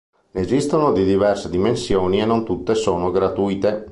Ne esistono di diverse dimensioni e non tutte sono gratuite.